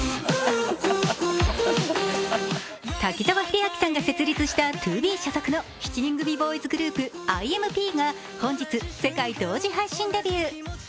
滝沢秀明さんが設立したＴＯＢＥ所属の７人組ボーイズグループＩＭＰ．が世界同時配信デビュー。